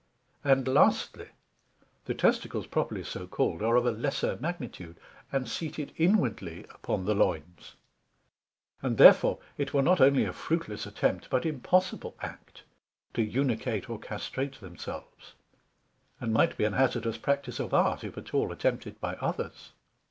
And lastly, The Testicles properly so called, are of a lesser magnitude, and seated inwardly upon the loins: and therefore it were not only a fruitless attempt, but impossible act, to Eunuchate or castrate themselves: and might be an hazardous practice of Art, if at all attempted by others.